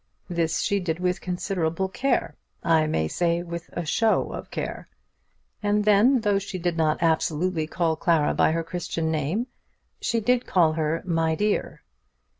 This she did with considerable care, I may say, with a show of care; and then, though she did not absolutely call Clara by her Christian name, she did call her "my dear."